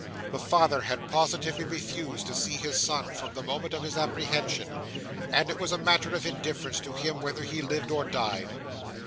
The father had positively refused to see his son from the moment of his apprehension; and it was a matter of indifference to him whether he lived or died.